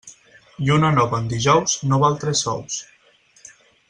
Lluna nova en dijous no val tres sous.